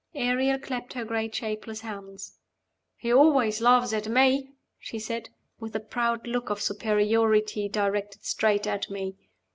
Ariel clapped her great shapeless hands. "He always laughs at me!" she said, with a proud look of superiority directed straight at me.